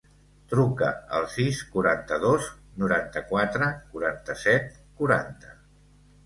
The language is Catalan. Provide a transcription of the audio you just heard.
Truca al sis, quaranta-dos, noranta-quatre, quaranta-set, quaranta.